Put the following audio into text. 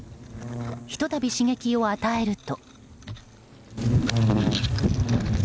ひと度、刺激を与えると。